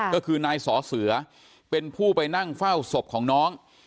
ก็คือนายสอเสือเป็นผู้ไปนั่งเฝ้าศพของน้อง